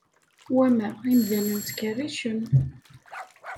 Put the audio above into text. Wamma, imdanen ttkerricen